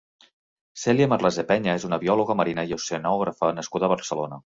Cèlia Marrasé Peña és una biòloga marina i oceanògrofa nascuda a Barcelona.